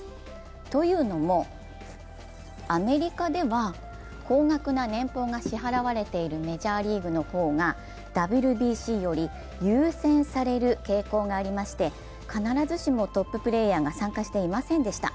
というのも、アメリカでは高額な年俸が支払われているメジャーリーグの方がＷＢＣより優先される傾向があり、必ずしもトッププレーヤーが参加していませんでした。